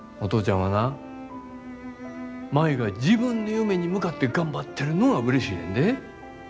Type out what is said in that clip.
はな舞が自分の夢に向かって頑張ってるのがうれしいねんで。